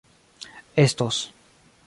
estos